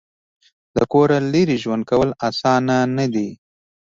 د کوره لرې ژوند کول اسانه نه دي.